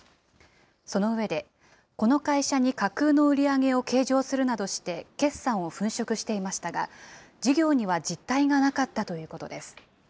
その上で、この会社に架空の売り上げを計上するなどして、決算を粉飾していましたが、事業には実態がなかったということです。